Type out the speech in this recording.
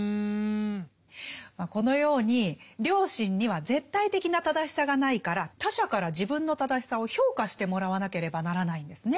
このように良心には絶対的な正しさがないから他者から自分の正しさを評価してもらわなければならないんですね。